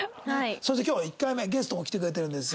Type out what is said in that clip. そして今日は１回目ゲストも来てくれてるんです。